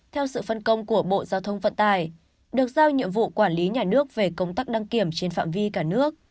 theo sự phân công của bộ giao thông phận tài được giao nhiệm vụ quản lý nhà nước về công tắc đăng kiểm trên phạm vi cả nước